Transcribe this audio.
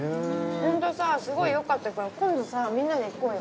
ホントさすごい良かったから今度さみんなで行こうよ。